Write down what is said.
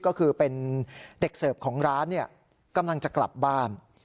ก็คือเป็นเด็กเสิร์ฟของร้านกำลังจะกลับบ้าน